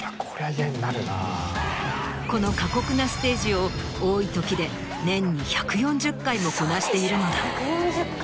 この過酷なステージを多いときで年に１４０回もこなしているのだ。